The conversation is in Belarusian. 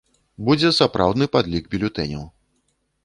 Будзе сапраўдны падлік бюлетэняў.